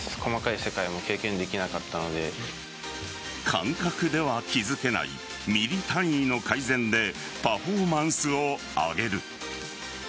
感覚では気付けないミリ単位の改善でパフォーマンスを上げる。